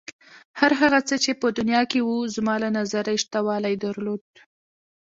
هر هغه څه چې په دنیا کې و زما له نظره یې شتوالی درلود.